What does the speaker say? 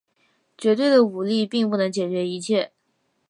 绝对的武力并不能解决一切。